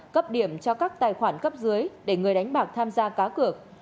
cấp điểm cho các tài khoản cấp dưới để người đánh bạc tham gia cá cược